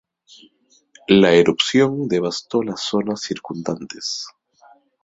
La erupción devastó las zonas circundantes.